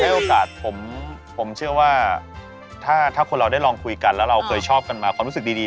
โอกาสผมเชื่อว่าถ้าคนเราได้ลองคุยกันแล้วเราเคยชอบกันมาความรู้สึกดี